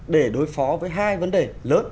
để đối phó với hai vấn đề lớn